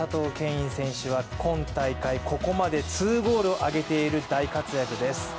允選手は今大会、ここまで２ゴールを挙げている大活躍です。